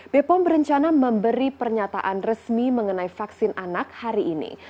bepom berencana memberi pernyataan resmi mengenai vaksin anak hari ini